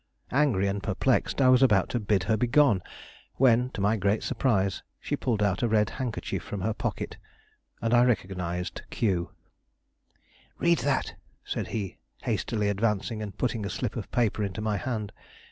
Angry and perplexed, I was about to bid her be gone, when, to my great surprise, she pulled out a red handkerchief from her pocket, and I recognized Q. "Read that," said he, hastily advancing and putting a slip of paper into my hand.